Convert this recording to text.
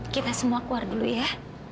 kita semua keluar dulu ya